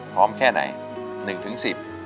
พร้อมแค่ไหน๑ถึง๑๐